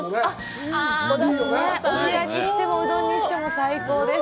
おじやにしても、うどんにしても、最高です。